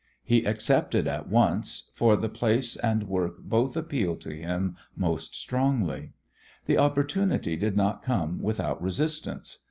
He accepted at once, for the place and the work both appealed to him most strongly. The opportunity did not come without resistance.